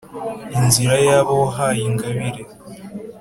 inzira y’abo wahaye ingabire;